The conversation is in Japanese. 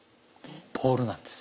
ボールなんです。